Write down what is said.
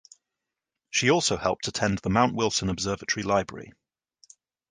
She also helped to tend the Mount Wilson Observatory Library.